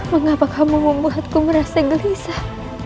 mengapa kamu membuatku merasa gelisah